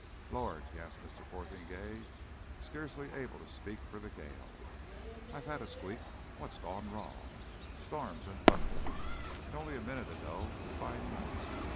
"Lord!" gasped Mr. Fotheringay, scarce able to speak for the gale, "I've had a squeak! What's gone wrong? Storms and thunder. And only a minute ago a fine night.